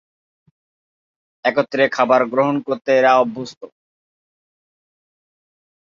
একত্রে খাবার গ্রহণ করতে এরা অভ্যস্ত।